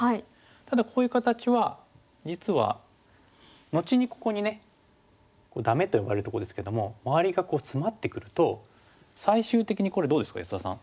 ただこういう形は実は後にここにね「ダメ」と呼ばれるとこですけども周りがツマってくると最終的にこれどうですか安田さん。